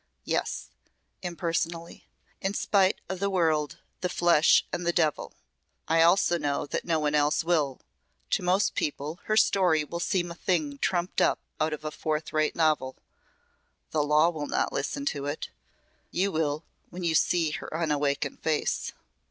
"Yes," impersonally. "In spite of the world, the flesh and the devil. I also know that no one else will. To most people her story will seem a thing trumped up out of a fourth rate novel. The law will not listen to it. You will when you see her unawakened face."